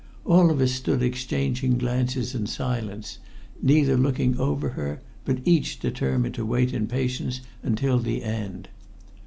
All of us stood exchanging glances in silence, neither looking over her, but each determined to wait in patience until the end.